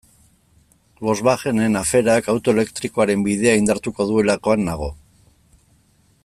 Volkswagenen aferak auto elektrikoaren bidea indartuko duelakoan nago.